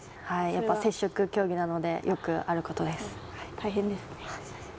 やっぱり接触競技なので、よくあることです。